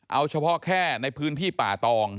เอาเฉพาะแค่ในพื้นที่ป่าตอง